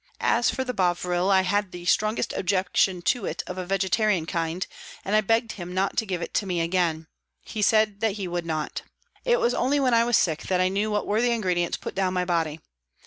As for the bovril, I had the strongest objection to it of a vegetarian kind, and I begged him not to give it to me again ; he said he would not. It was only when I was sick that I knew what were the ingredients put down my body.